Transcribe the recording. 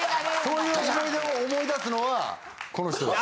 そういう思い出を思い出すのはこの人です。